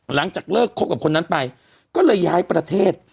หลังจากเลิกคบกับคนนั้นไปก็เลยย้ายประเทศ